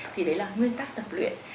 thì đấy là nguyên tắc tập luyện